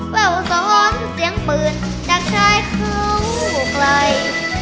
แววซ้อนเสียงปืนจากชายเข้าใกล้